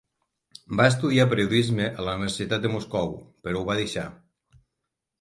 Va estudiar periodisme a la Universitat de Moscou, però ho va deixar.